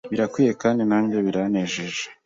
Birakwiye kandi nanjye biranejeje